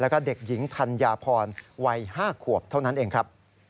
แล้วก็เด็กหญิงธัญญาพรวัย๕ขวบเท่านั้นเองครับ